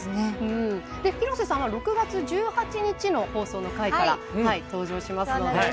広瀬さんは６月１８日の放送から登場しますので。